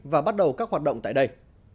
và bắt đầu các hoạt động tại đây